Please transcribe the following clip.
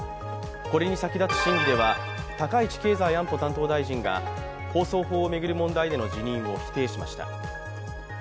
これに先立つ審議では高市経済安保担当大臣が放送法を巡る問題での辞任を否定しました。